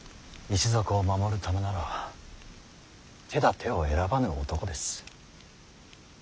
一族を守るためなら手だてを選ばぬ男です。